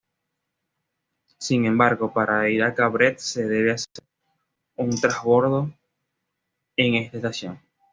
Sin embargo, para ir a Cabred se debe hacer un transbordo en esta estación.